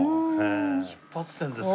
出発点ですね